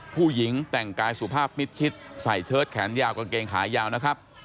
ผู้หญิงแต่งกายสุภาพมิดชิดใส่เชิดแขนยาวกางเกงขายาวนะครับ